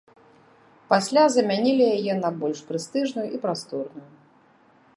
Пасля замянілі яе на больш прэстыжную і прасторную.